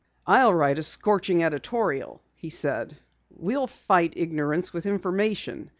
"I'll write a scorching editorial," he said. "We'll fight ignorance with information.